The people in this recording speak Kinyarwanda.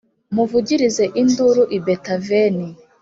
muvugirize induru i Betaveni,